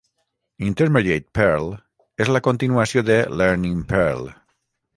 "Intermediate Perl" és la continuació de "Learning Perl".